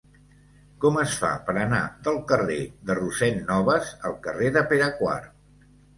Com es fa per anar del carrer de Rossend Nobas al carrer de Pere IV?